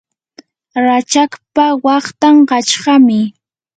rachakpa waqtan qachqami.